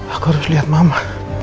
aku harus lihat mama